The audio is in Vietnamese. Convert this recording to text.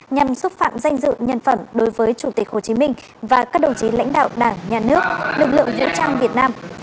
nhằm xúc phạm danh dự nhân phẩm đối với chủ tịch hồ chí minh và các đồng chí lãnh đạo đảng nhà nước lực lượng vũ trang việt nam